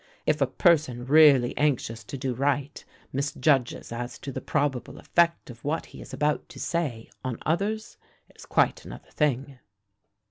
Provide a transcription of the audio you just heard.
If a person really anxious to do right misjudges as to the probable effect of what he is about to say on others, it is quite another thing."